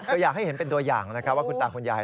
ตัวอย่างให้เห็นเป็นตัวอย่างนะครับว่าคุณตาคุณยาย